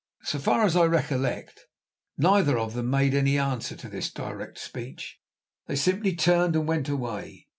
So far as I recollect neither of them made any answer to this direct speech. They simply turned and went away.